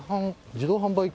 自動販売機。